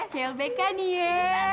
cewek cewek kan nih ya